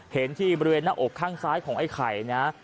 เห็นที่บริเวณหน้าอกข้างซ้ายของไอ้ไข่นะ